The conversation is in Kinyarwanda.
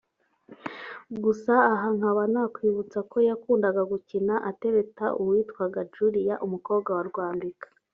gusa aha nkaba nakwibutsa ko yakundaga gukina atereta uwitwaga Julia umukobwa wa Rwambika